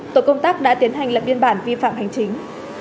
tổ công tác đã tiến hành lập biên bản vi phạm hành chính